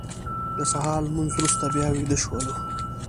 د سهار لمونځ وروسته بیا ویده شولو.